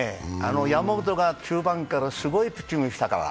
山本が中盤からすごいピッチングしたから。